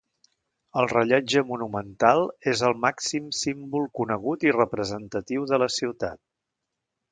El Rellotge Monumental és el màxim símbol conegut i representatiu de la ciutat.